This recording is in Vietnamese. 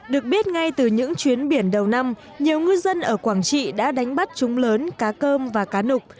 được biết ngay từ những chuyến biển đầu năm nhiều ngư dân ở quảng trị đã đánh bắt chúng lớn cá cơm và cá nục